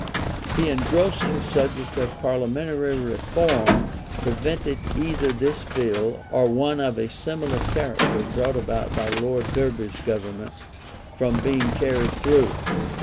The engrossing subject of Parliamentary Reform prevented either this bill, or one of a similar character brought in by Lord Derby's Government, from being carried through.